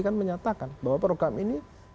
kan menyatakan bahwa program ini